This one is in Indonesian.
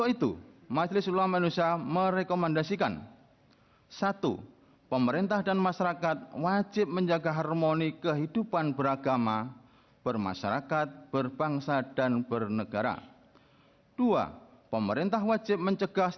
kepulauan seribu kepulauan seribu